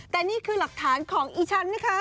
แต่นี่คือหลักฐานของอีฉันนะคะ